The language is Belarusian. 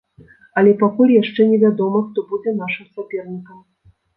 Але пакуль яшчэ невядома, хто будзе нашым сапернікам.